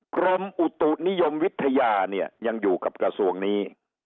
กรมอุตุนิยมวิทยาเนี่ยยังอยู่กับกระทรวงนี้